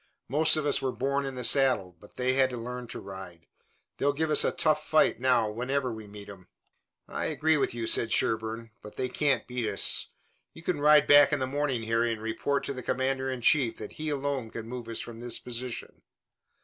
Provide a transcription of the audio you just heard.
Most of us were born in the saddle, but they had to learn to ride. They'll give us a tough fight now whenever we meet 'em." "I agree with you," said Sherburne, "but they can't beat us. You can ride back in the morning, Harry, and report to the commander in chief that he alone can move us from this position.